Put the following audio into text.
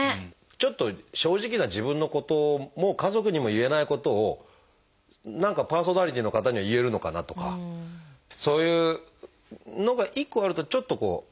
ちょっと正直な自分のことも家族にも言えないことを何かパーソナリティーの方には言えるのかなとかそういうのが１個あるとちょっとこう。